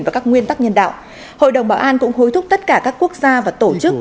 và các nguyên tắc nhân đạo hội đồng bảo an cũng hối thúc tất cả các quốc gia và tổ chức